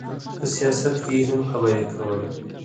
په سیاست کې یې هم خبرې کولې.